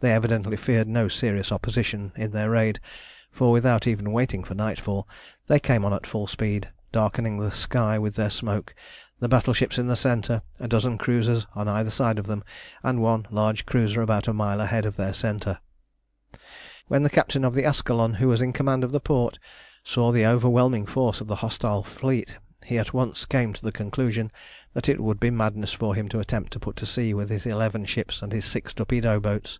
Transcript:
They evidently feared no serious opposition in their raid, for, without even waiting for nightfall, they came on at full speed, darkening the sky with their smoke, the battleships in the centre, a dozen cruisers on either side of them, and one large cruiser about a mile ahead of their centre. When the captain of the Ascalon, who was in command of the port, saw the overwhelming force of the hostile fleet, he at once came to the conclusion that it would be madness for him to attempt to put to sea with his eleven ships and six torpedo boats.